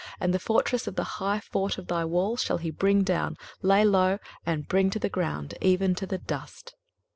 23:025:012 And the fortress of the high fort of thy walls shall he bring down, lay low, and bring to the ground, even to the dust.